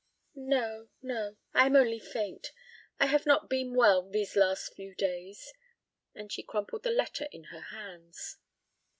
"No, no, I am only faint. I have not been well these last few days." And she crumpled the letter in her hands.